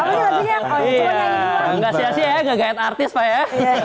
enggak sia sia ya enggak gayet artis pak ya